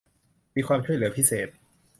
มีความช่วยเหลือพิเศษ